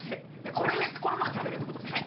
これでこのまま食べるってことですね。